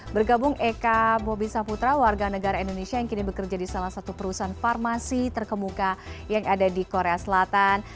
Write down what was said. bergabung eka bobi saputra warga negara indonesia yang kini bekerja di salah satu perusahaan farmasi terkemuka yang ada di korea selatan